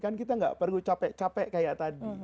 kan kita gak perlu capek capek kaya tadi